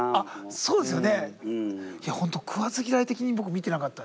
そうですよね。